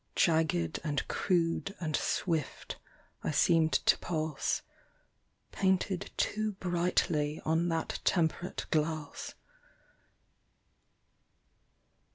Jagged and crude and swift I seemed to pass Painted too brightly on that temperate glass.